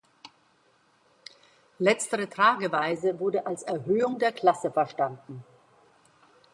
Letztere Trageweise wurde als Erhöhung der Klasse verstanden.